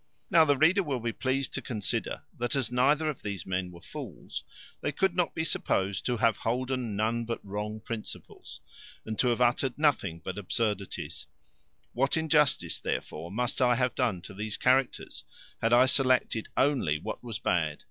Now the reader will be pleased to consider, that, as neither of these men were fools, they could not be supposed to have holden none but wrong principles, and to have uttered nothing but absurdities; what injustice, therefore, must I have done to their characters, had I selected only what was bad!